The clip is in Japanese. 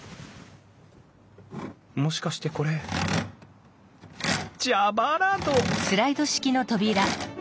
もしかしてこれ蛇腹戸！